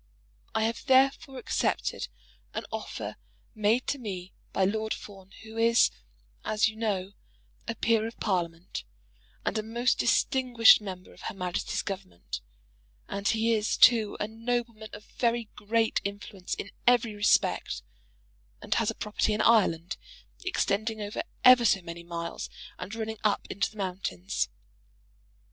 I have therefore accepted an offer made to me by Lord Fawn, who is, as you know, a peer of Parliament, and a most distinguished member of Her Majesty's Government; and he is, too, a nobleman of very great influence in every respect, and has a property in Ireland, extending over ever so many miles, and running up into the mountains.